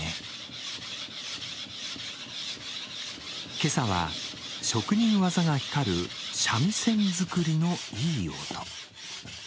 今朝は職人技が光る三味線作りのいい音。